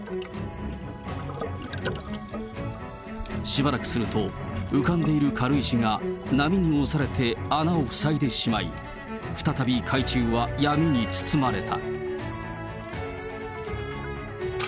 しばらくすると、浮かんでいる軽石が波に押されて穴を塞いでしまい、再び海中は闇に包まれた。